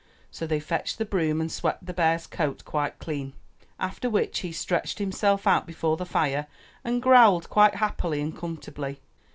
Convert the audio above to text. So they fetched the broom and swept the bear's coat quite clean. After which he stretched himself out before the fire and growled quite happily and comfortably.